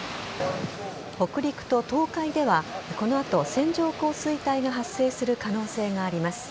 北陸と東海ではこの後、線状降水帯が発生する可能性があります。